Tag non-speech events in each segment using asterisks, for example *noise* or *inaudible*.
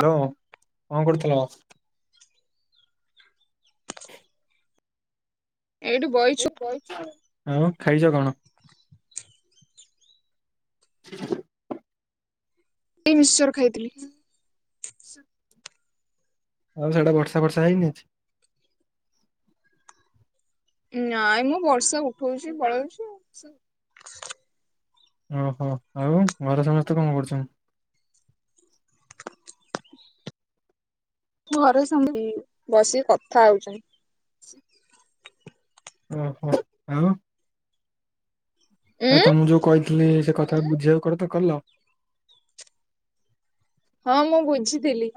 Hello କଣ କରୁଥିଲ? ଏଇଠୁ ବଇଛୁ। ଆଉ ଖାଇଛ କଣ? *inaudible* ଏ ମିକ୍ସଚର ଖାଇଥିଲି। ସତ। ଆଉ ସେଆଡେ ବର୍ଷା ଫର୍ଷା ହେଇନି ଆଜି? ଉ ନାଇମ ବର୍ଷା ଉଠଉଛି ପଳଉଛି ଆଉ। ଓହୋ ଆଉ ଘରେ ସମସ୍ତେ କଣ କରୁଛନ୍ତି? ଘରେ ସେମିତି ବସିକି କଥା ହଉଛନ୍ତି। ଓହୋ ଆଉ ଆଉ ଉଁ ତମକୁ ଯୋଉ କହିଥିଲି ସେ କଥା ବୁଝିଆକୁ କର ତ କଲ? ହଁ ମୁଁ ବୁଝିଥିଲି।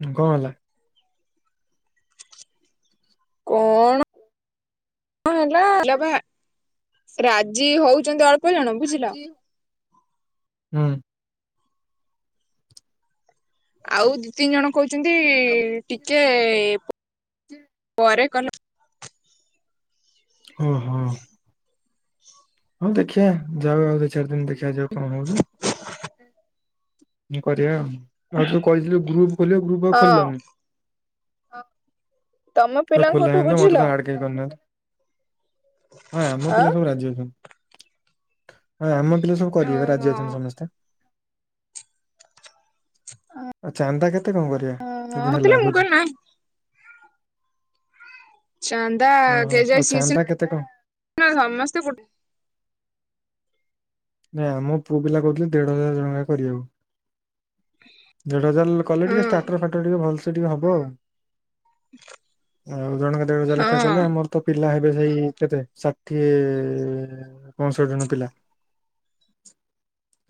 ହୁଁ କଣ ହେଲା? କଣ କଣ ହେଲା ବା ରାଜି ହଉଛନ୍ତି ଅଳ୍ପ ଜଣ ବୁଝିଲ। ହୁଁ। ଆଉ ଦି ତିନି ଜଣ କହୁଛନ୍ତି ଟିକେ ପରେ କଲେ ହଁ ହଁ। ହଉ ଦେଖିଆ ଯାଉ ଆଉ ଦି ଚାରି ଦିନ ଦେଖାଯାଉ କଣ ହଉଛି। କରିବାଉ ଆଉ। ଆଉ ଯୋଉ କହିଥିଲୁ ଗ୍ରୁପ ଖୋଲିବା ଗ୍ରୁପ ଆଉ ହଁ ଖୋଲିଲନି? ତମ ଖୋଲା ପିଲାଙ୍କଠୁ ହେଇନି ତ ବୁଝିଲ ମତେ ତ ଆଡ଼ କେହି କରିନାହାନ୍ତି। ହଁ ଆମ ଆଁ ପିଲା ସବୁ ରାଜି ଅଛନ୍ତି। ହଁ ଆମ ପିଲା ସବୁ କରିିବେ ଓହୋ ରାଜି ଅଛନ୍ତି ସମସ୍ତେ। ଆ ଆଉ ଚାନ୍ଦା କେତେ କଣ କରିବା ଯଦି ହେଲା ମୁଁ କହିଲି ଭୋଜି? ନାଇଁ ଚାନ୍ଦା ଓହୋ ଆଉ ଦିଆଯାଏ ସେ ଚାନ୍ଦା କେତେ କଣ? ସିନା ସମସ୍ତେ ଗୋଟେ ନାଇଁ ଆମ ପୁଅ ପିଲା କହୁଥିଲେ ଦେଢ ହଜାର ଜଣକା କରିବାକୁ। ଦେଢ ହଜାର କଲେ ହଁ ଟିକେ ଷ୍ଟାର୍ଟର ଫାଟର ଟିକେ ଭଲସେ ଟିକେ ହବ ଆଉ। ଆଉ ଜଣକା ଦେଢ ହଜାର ଲେଖା ହଁ କଲେ ଆମର ତ ପିଲା ହେବେ ସେଇ କେତେ ଷାଠିଏ ପଞ୍ଚଷଠି ଜଣ ପିଲା।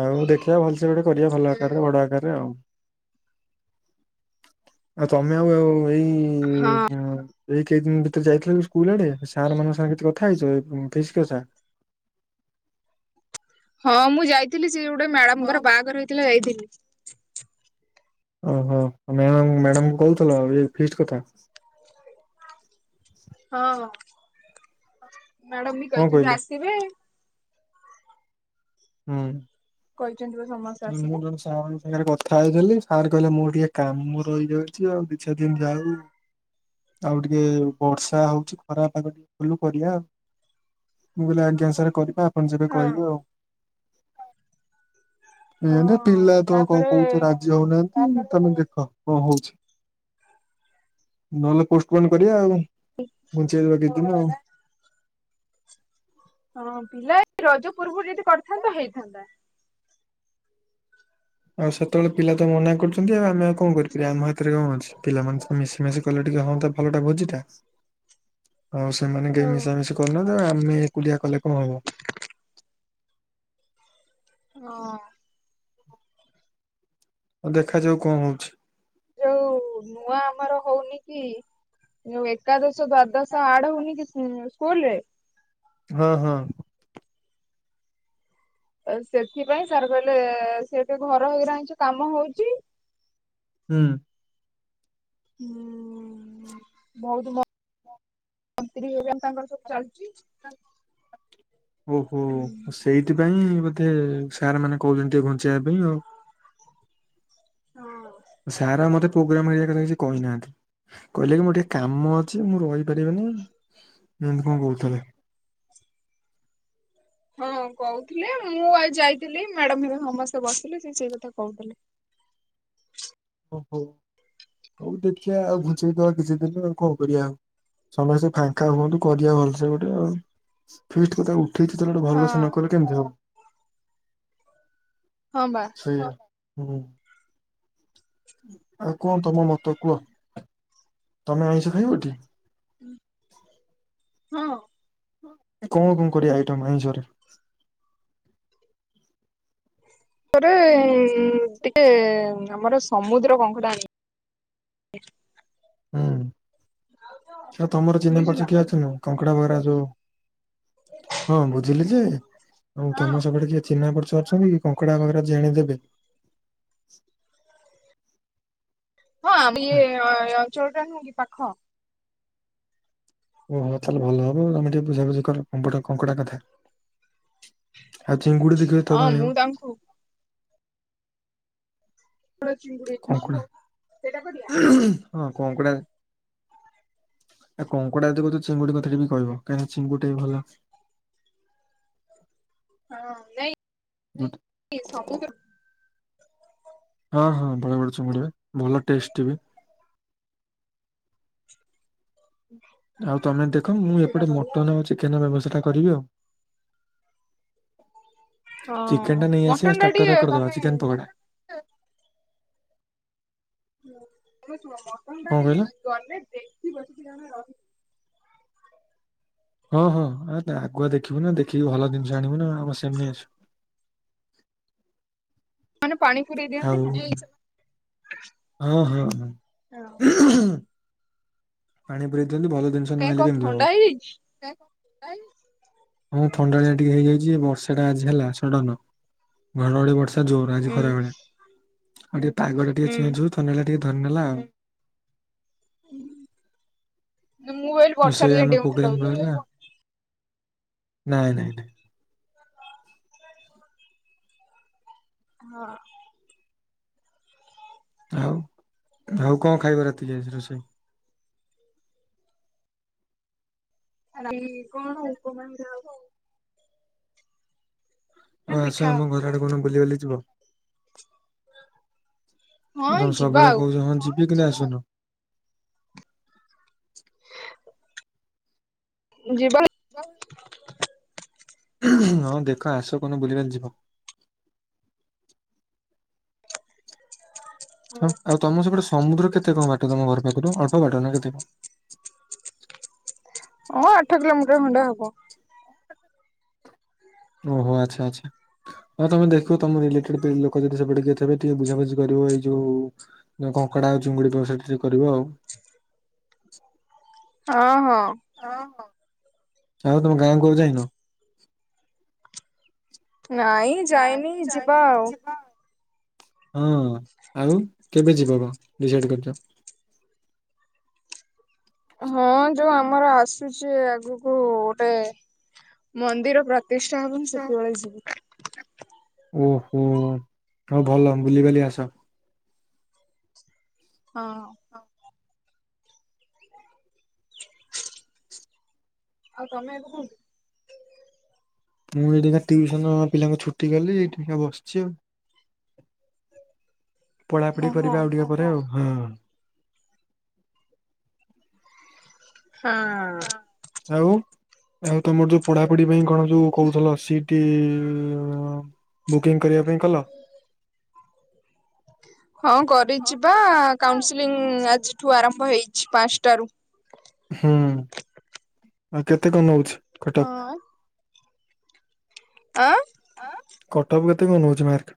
ଆଉ ଦେଖିବା ଭଲ ସେ ଗୋଟେ କରିବା ଭଲ ଆକାରରେ ବଡ ଆକାରରେ ଆଉ। ଆଉ ତମେ ଆଉ ସେଇ ହଁ ଏଇ କେଇ ଦିନ ଭିତରେ ଯାଇଥିଲ କି ସ୍କୁଲ ଆଡେ ସାର୍ ମାନଙ୍କ ସାଙ୍ଗରେ କିଛି କଥା ହେଇଛ ଫିଷ୍ଟି କଥା? ହଁ ମୁଁ ଯାଇଥିଲି ସେ ଗୋଟେ ମ୍ୟାଡାମଙ୍କର ବାହାଘର ହେଇଥିଲା ଯାଇଥିଲି। ଓହୋ ମ୍ୟାଡ ମ୍ୟାଡ଼ାମଙ୍କୁ କହୁଥିଲ ଏ ଫିଷ୍ଟ କଥା? ହଁ ମ୍ୟାଡମ ବି କଣ କହିଛନ୍ତି କହିଲେ? ଆସିବେ। ହୁଁ। କହିଛନ୍ତି ପା ସମସ୍ତେ ଆସିବେ। ସାର୍ ସାଙ୍ଗରେ କଥା ହେଇଥିଲି ସାର୍ କହିଲେ ମୋର ଟିକେ କାମ ରହିଯାଉଛି ଆଉ ଦି ଚାରି ଯାଉ। ଆଉ ଟିକେ ବର୍ଷା ହଉଛି ଖରାପ ଆଗ ଟିକେ ଭୁଲୁ କରିବା ଆଉ। ମୁଁ କହିଲି ଆଜ୍ଞା ଶାରେ କରିବା ଆପଣ ଯେବେ ହଁ କହିବେ ଆଉ। ହଁ ପିଲା ତ କଣ ତାପରେ କହୁଛ ରାଜି ହୋଉନାହାନ୍ତି ତମେ ଦେଖ କଣ ହୋଉଛି। ନହେଲେ ପୋଷ୍ଟପନ କରିବା ଆଉ ଘୁଞ୍ଚେଇଦବା କିଛିଦିନ ଆଉ। ହଁ ପିଲା ଏ ରଜ ପୂର୍ବରୁ ଯଦି କରିଥାନ୍ତ ହେଇଥାନ୍ତା। ଆଉ ସେତେବେଳେ ପିଲା ତ ମନା କରୁଛନ୍ତି ଆଉ ଆଉ କଣ କରିପାରିବା। ଆମ ହାତରେ କଣ ଅଛି ପିଲାମାନେ ମିଶିମାଶି କଲେ ଟିକେ ହଁ ତା ଭଲ ଟା ଭୋଜିଟା ଆଉ ସେମାନେ କେହି ହଁ ମିଶାମିଶି କରୁନ ତ ଆମେ ଏକୁଟିଆ କଲେ କଣ ହବ। ହଁ। ଆଉ ଦେଖାଯାଉ କଣ ହଉଛି। ଯୋଉ ନୂଆ ଆମର ହୋଉନି କି ଯୋଉ ଏକାଦଶ ଦ୍ଵାଦଶ ଆଡ ହୋଉନି କି କୁଁ ସ୍କୁଲରେ ହଁ ହଁ। ଅ ସେଥିପାଇଁ ସାର୍ କହିଲେ ଏ ସେ ତ ଘର *unintelligible* କାମ ହୋଉଚି। ହୁଁ। ଉଁ ଭୋଉତୁ ମ ମନ୍ତ୍ରୀ *unintelligible* ତାଙ୍କର ସବୁ ଚାଲୁଚି। ଓହୋ ଓ ସେଇଥିପାଇଁ ବୋଧେ ସାର୍ ମାନେ କୋହୁଚନ୍ତି ଟିକେ ଘୁଞ୍ଚେଇବା ପାଇଁ ଆଉ। ହଁ। ସାର ଆଉ ମତେ ପ୍ରୋଗ୍ରାମ ଇଏ କଥା କିଛି କହିନାହାନ୍ତି। କହିଲେ କି ମୋର ଟିକେ କାମ ଅଛି ମୁଁ ରହିପାରିବିନି ଏମତି କଣ କରହୁଥୁଲେ। ହଁ କୋହୁଥିଲେ ମୁଁ ଆଉ ଏ ଯାଇଥିଲି ମ୍ୟାଡାମ ହେକା ସମସ୍ତେ ବସିଲେ ସେ ସେଇ କଥା କହୁଥିଲେ। ଓ ହୋଉ ହୋଉ ଦେଖିଆ ଆଉ ବୁଞ୍ଚେଇଦବା କିଛି ଦିନ ଆଉ କଣ କରିବା ଆଉ। ସମସ୍ତେ ଫାଙ୍କା ହୁଅନ୍ତୁ କରିବା ଭଲସେ ଗୋଟେ ଆଉ ଫିଷ୍ଟ କଥା ଉ କିଛି ତୋର ଗୋଟେ ଭଲସେ ହଁ ନ କଲେ କେମିତି ହବ ହଁ ବା ସେଇଆ। ହୁଁ। ଆଉ କଣ ତମ ମତ କୁହ ତମେ ଆଇଁଷ ଖାଇବଟି? ହୁଁ। ହଁ। କଣ କଣ କରିଆ ଆଇଟମ ଆଇଁଷରେ? ରେ ଟିକେ ଆମର ସମୁଦ୍ର କଙ୍କଟା ଆଣି ହୁଁ ସେଟା ତମର ଚିହ୍ନା ବୁଝିଲ ପରିଚ କିିଏ ଅଛନ୍ତି ଆଉ କଙ୍କଡା ବଗେରା ଯୋଉ। ହଁ ବୁଝିଲି ଯେ ଆଉ ହଁ ତମ ସେପଟେ କିିଏ ଚିନହା ପରିଚ ଅଛନ୍ତି କି କଙ୍କଡ଼ା ବାଗେରା ଯିଏ ଆଣି ଦେବେ। ହଁ ଆମ୍ ଆଁ, ଇଏ ଏ ଅଞ୍ଚଳଟା ନୁହଁ କି ପାଖ। ଓହୋ ତାହେଲେ ଭଲ ହବ ତମେ ଟିକେ ବୁଝାବୁଝି କର କଙ୍କଡା କଙ୍କଟା କଥା। ଆଉ ଚିଙ୍ଗୁଡି ଦିଇ ହଁ ମୁଁ ତାଙ୍କୁ ଡା ଚିଙ୍ଗୁଡି କଙ୍କଡା ସେଇଟା କରିବା? ହଁ କଙ୍କଡା ଆଉ କଙ୍କଡ଼ା ଯଦି କୋହୁଚ ଚିଙ୍ଗୁଡି କଥାଟା ବି କହିବ କାହିଁକିନା ଚିଙ୍ଗୁଡିଟା ବି ଭଲ। ହଁ ନାଇଁ ଇ ସବୁ ହଁ ହଁ ବଡ ବଡ ଚୁଙ୍ଗୁଡ ହୁଏ ଭଲ ଟେଷ୍ଟ ବି। ଆଉ ତମେ ଦେଖ ମୁଁ ସେଇଟା ଏପଟେ କରିବା ମଟନ ଆଉ ଚିକେନ ବ୍ୟବସ୍ଥାଟା କରିବି ଆଉ। ହଁ ଚିକେନଟା ନେଇ ଆସିବା ମଟନ ଟା ଷ୍ଟାଟରରେ ଟିକେ କରିଦବା ତମେ ଚିକେନ ପକଡା ହୁଁ *inaudible* ଶୁଣ ମଟନଟା କଣ କହିଲ ଟିକେ ଗଲେ ଦେଖିବ କିଛିଜଣ ରହିକି। ହଁ ହଁ ଆ ନା ଆଗୁଆ ଦେଖିବୁ ନା ଦେଖିକି ଭଲ ଜିନଷ ଆଣିବୁ ନା ଆଉ କଣ ସେମ ନେଇ ଆସୁ। ମାନେ ପାଣି ପୁରରେଇ ଦିଅନ୍ତି ନା ହଁ ହଁ ହଁ। ହଁ। ପାଣି ପରେଇ ଦିଅନ୍ତି ଭଲ ଜିନଷ ନ କାଇଁ ଆଇଁଲେ କଣ କେମିତି ଥଣ୍ଡା ହେଇଯାଇଛି? ହବ। ଏବଂ ଥଣ୍ଡାଟା ଟିକେ ହେଇଯାଉଚି ବର୍ଷାଟା ଆଜି ହେଲା ସଡନ ଘଡଘଡି ବର୍ଷା ଜୋରେ ଆଜି ହୁଁ ଖରା ବେଳେ ଆଉ ଟିକେ ପାଗଟା ଟିକେ ହୁଁ ଚେଞ୍ଚ୍ ହୋଉଚି ଥଣ୍ଡଟା ଟିକେ ଧରି ନେଲା ଆଉ। କିନ୍ତୁ ମୁଁ ଏଇଠୁ ରୋଷେଇ ଆମ ପ୍ରୋବ୍ଲେମ ରହିଲା ନାଇଁ ନାଇଁ ନାଇଁ ହଁ। ଆଉ ଆଉ କଣ ଖାଇବ ରାତିକି ଆଜି ରୋଷେଇ। ରାତି କଣ ଉପମା ଯାହା ହବ ଆଉ। ନା ହ ଆସ ପିଠା ହବ ଆମ ଘର ଆଡେ ଜାଣିନି କଣ ବୁଲି ବାଲି ଯିବ। ହଁ ତମେ ଯିବା ସବୁବେଳେ ଆଉ। କହୁଛ ହଁ ଯିବି କିନ୍ତୁ ଆସୁନ। ଯିବା *unintelligible* ହଁ ଦେଖ ଆସ କୁ ଦିନ ବୁଲିବାଲି ଯିବ। ହଁ ଆଉ ତମ ସେପଟେ ସମୁଦ୍ର କେତେ କଣ ବାଟ ତମ ଘର ପାଖରୁୁ ଅଳ୍ପ ବାଟ ନା କେତେ କଣ? ହ ଆଠ କିଲୋମିଟର ଖଣ୍ଡେ ହବ। ଓହୋ ଆଚ୍ଛା ଆଚ୍ଛା। ହଁ ତମେ ଦେଖିବ ତମ ରିଲେଟେଡ ଲୋକ ଯଦି ସେପଟେ କିଏ ଥିବେ ଟିକେ ବୁଝାବୁଝି କରିବ ଏଇ ଯଉ କଙ୍କଡ଼ା ଆଉ ଚିଙ୍ଗୁଡି ବ୍ୟବସାୟ ଟିକେ କରିବ ଆଉ। ଅଁ ହଁ। ଅଁ ହଁ ଆଉ ତମ ଗାଁକୁ ଆଉ ଯାଇନ? ନାଇଁ ଯାଇନି ଯିବା ଆଉ। ହଁ ଆଉ କେବେ ଯିବ କ ଡିସାଇଡ଼୍ କରିଛ? ହଁ ଯୋଉ ଆମର ଆସୁଛି ଆଗକୁ ଗୋଟେ ମନ୍ଦିର ପ୍ର ତିଷ୍ଟା ହବନି ସେତେବେଳେ ଯିବି। ଓହୋ ଆଉ ଭଲ ବୁଲିିବାଲି ଆସ। ହଁ। ଆଉ ତମେ ଏବେ କଣ ମୁଁ ଏଠିକା ଟିଉସନ ପିଲାଙ୍କୁ ଛୁଟି କଲି ଏଇଠି ବସିଛି ଆଉ। ପଢାପଢି ଓହୋ କରିବି ଆଉ ଟିକିଏ ପରେ ଆଉ ହଁ। ହଁ। ଆଉ ଆଉ ତମର ଯୋଉ ପଢାପଢି ପାଇଁ କଣ ଯୋଉ କହୁଥିଲ ସି ଟି ବୁକିଂ କରିବା ପାଇଁ କଲ? ହଁ କରିଚିବା କାଉନସେଲିଂ ଆଜିଠୁ ଆରମ୍ଭ ହେଇଛି ପାଞ୍ଚଟାରୁ। ହୁଁ ଆଉ କେତେ କଣ ନଉଛି କଟ୍ ପ୍। ହଁ। ଆଁ। ଆଁ କଟପ୍ କେତେ କଣ ନଉଛି ମାର୍କ?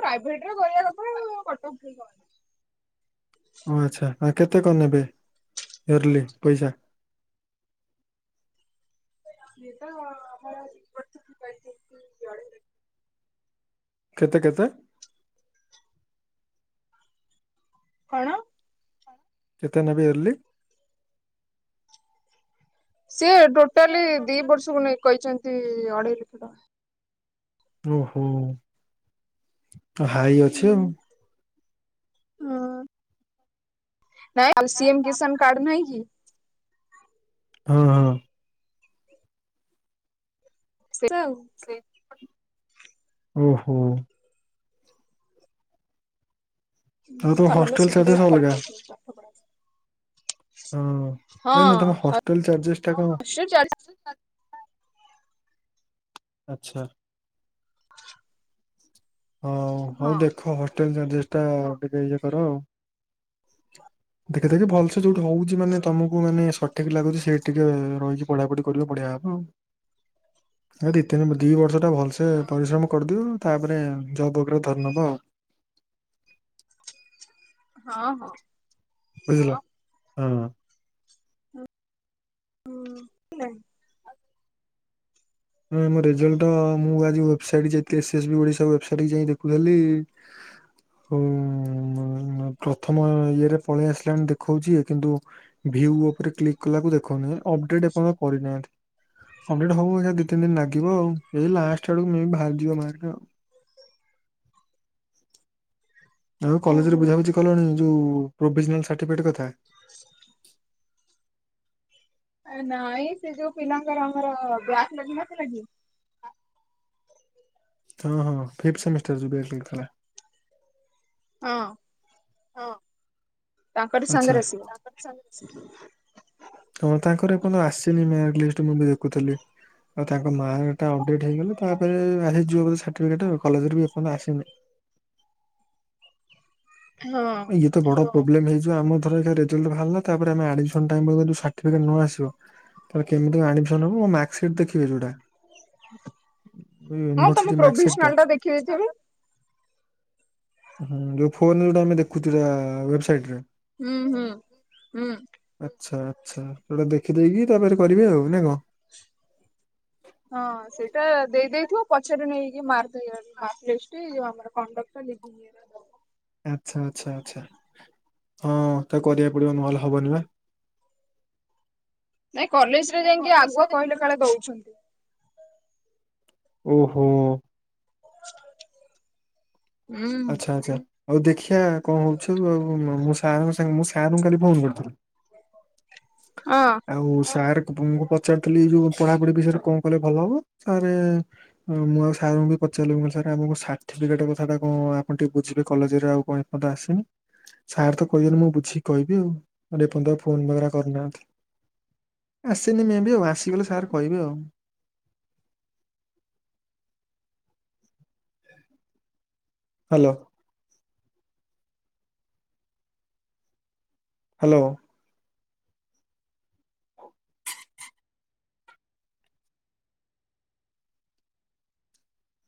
ପ୍ରାଇଭେଟରେ କରିବା କଟପ୍ କିଏ କରୁଛି। ଓ ଆଚ୍ଛା ଆ କେତେ କଣ ନେବେ ଇୟର୍ଲି ପଇସା? *unintelligible* କହିଛନ୍ତି ଅଢେଇ ଲକ୍ଷ। କେତେ କେତେ? କଣ? କେତେ ନେବେ ଏର୍ଲି? ସିଏ ଟୋଟାଲି ଦି ବର୍ଷକୁ ନେଇ କହିଛନ୍ତି ଅଢେଇ ଲକ୍ଷ। ଓହୋ ହାଇ ଅଛି ଆଉ। ହୁଁ ନାଇ ସିଏମ କିସାନ କାର୍ଡ ନାହିଁ କି। ହଁ ହଁ। ସେଟା ଆଉ। ସେପା ଓହୋ। ଆଉ ତମ ତାକୁ ଭଲ ହଷ୍ଟେଲ ସୁବିଧା ଚାର୍ଜେସ୍ ବି ଅଲଗା କରିଦେଇ *inaudible* ହଁ ନାଇଁଁ ନାଇଁ ତମ ହଷ୍ଟେଲ ଚାର୍ଜେସ୍ ଟା କଣ? ହଷ୍ଟେଲ ଚାଲିଛି ଆଛା। ହଁ ହଉ ହଁ ଦେଖ ହଷ୍ଟେଲ ଚର୍ଜ୍ସ ଟା ଟିକେ ଇଏ କର ଆଉ। ଦେଖେ ଦେଖେ ଭଲସେ ଯୋଉଠି ହଉଛି ମାନେ ତମକୁ ମାନେ ସ ଠିକ ଲାଗୁଛି ସେଇ ଟିକେ ରହିକି ପଢାପଢି କରିବ ବଢିଆ ହବ ଆଉ। ଏ ଦି ତିନ ଦି ବର୍ଷ ଟା ଭଲସେ ପରିଶ୍ରମ କରିଦିିଅ ତାପରେ ଜବ ଉପରେ ଧରି ନବ ଆଉ। ହଁ ହଁ। ବୁଝିଲ ହଁ। ହୁଁ ନାଁ ଆମ ରେଜଲ୍ଟ ମୁଁ ଆଜି ୱବସାଇଟ ଯାଇଥିଲି S S B Odisha website ଯାଇ ଦେଖୁଥିଲି ଉଁ ଉ ପ୍ରଥମ ଇଏରେ ପଳେଇ ଆସିଲାଣି ଦେଖଉଛି କିନ୍ତୁ ଭ୍ୟୁ ଉପରେ କ୍ଲିକ୍ କଲା ବେଳକୁ ଦେଖଉନି ଅପଡେଟ କରିନାହାନ୍ତି। ଅପଡେଟ ହବ ଦି ତିନି ଦିନ ଲାଗିବ ଆଉ ଏଇ ଲାଷ୍ଟ ଆଡକୁ ବାହାରିଯିବ ମାର୍କ ଆଉ। ଆଉ କଲେଜରେ ଓହୋ ବୁଝା ବୁଝି କଲଣି ଯୋଉ ପ୍ରୋଭିଜନାଲ ସାର୍ଟିଫିକେଟ କଥା? ନାଇଁ ସେ ଯୋଉ ପିଲାଙ୍କର ଆମର ବ୍ୟାକ ଲାଗିନଥିଲା କିି ହଁ ହଁ ଫିପ୍ଥି ସେମିଷ୍ଟର ଜଉ ବ୍ୟକ୍ ଲାଗିଥିଲା? ହଁ। ହଁ। ତାଙ୍କଠି ସାଙ୍ଗରେ ଆସିବ। ହଁ ତାଙ୍କର ଏପନ୍ତ ଆସିନି ମାର୍କଲିଷ୍ଟ୍ ମୁଁ ଏବେ ଦେଖୁଥିଲି। ଆଉ ତାଙ୍କ ମାଟା ଅପଡେଟ୍ ହେଇଗଲେ ତାପରେ ଆଯିବ ସାର୍ଟିଫିକେଟ କଲେଜରେ ବି ଏପର୍ନ୍ତ ଆସିନି। ହଁ। ଏ ତ ବଡ ପ୍ରୋବେଲମ୍ ହେଇଯିବ ଆମର ଧର ଏଇଖାଁ ରେଜଲ୍ଟ ବାହାରିଲା। ତାପରେ ଆମେ ଆଡମିଶନ୍ ଟାଇମ୍ ବେଳକୁ ଯଦି ସିରିଫିକେଟ ନ ଆସିବ ତାହେଲେ କେମିତି ଙ୍କ ଆଡ଼ମସନ୍ ହେବ? ମାର୍କସିଟ୍ ଦେଖିବି ଯେଉଟା? ହୁଁ ୟୁନିଭର୍ସଟି ମାର୍କ ସିଟ୍ ଟା? କେଜାଣି? ହୁଁ ଯୋଉ ଫୋନ ଯୋଉଟ ଆମେ ଦେଖୁଥିଲେ ୱେବସାଇଟ ରେ? ହୁଁ ହୁଁ ହୁଁ। ଆଚ୍ଛା ଆଚ୍ଛା ସେଟା ଦେଖିଦେଇକି ତାପରେ କରିବେ ଆଉ ନା କଣ?? ହଁ ସେଇଟା ଦେଇ ଦେଇେଥିବ ପଛରେ ନେଇକି ମାର୍କ ମାର୍କଲିଷ୍ଟ୍ ଯୋଉ ଆମର କଣ୍ଡକ୍ଟ ଟା ଲେ। *unintelligible* ଆଚ୍ଛା ଆଚ୍ଛା ଆଚ୍ଛା। ହଁ ତାକୁ କରିବାକୁ ପଡିବ ନହେଲେ ହବନି ବା। ନାଇଁ କଲେଜ ରେ ଯାଇକି ଆଗୁଆ କହିଲେ କାଳେ ଦଉଛନ୍ତି। ଓ ହୋ। ହୁଁ। ଆଚ୍ଛା ଆଚ୍ଛା ହୋଉ ଦେଖିିବା କଣ ହଉଛୁ ଆ ମୁଁ ସାର ମୁଁ ସାର ଙ୍କୁ କାଲି ଫୋନ କରୁଥିଲି ହଁ। ଆଉ ସାର୍ କୁ ପଚାରୁଥିଲି ଯୋଉ ପଢାପଢି ବିଷୟରେ କଣ କଲେ ଭଲ ହବ ସାରେ ହଁ ଆଉ ସାର ଙ୍କୁବି ପଚାରିଲିି ସାର୍ ଆମ ସାର୍ଟିଫିକେଟ କଥାଟା। ହଁ ଆପଣ ଟିକେ ବୁଝିବେ କଲେଜ ରେ ଆଉ କଣନ ଆସିନି। ସାର ତ କହିଦେଲେ ମୁଁ ବୁଝିକି କହିବି ଆଉ ଏ ପର୍ଯ୍ୟାନ୍ତ ଫୋନ ବେଗେରା କରିନାହାନ୍ତି। ଆସନି ମେବି ଆଉ ଆସିଗଲେ ସାର୍ କହିବି ଆଉ। ହ୍ୟାଲୋ। ହ୍ୟାଲ।